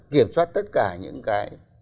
kiểm soát tất cả những cái